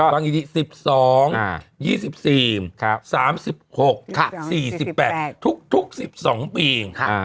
ฟังดี๑๒๒๔๓๖๔๘ทุก๑๒ปี